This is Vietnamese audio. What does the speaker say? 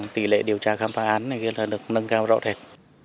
tỷ lệ điều tra khám phá án được nâng cao rõ rệt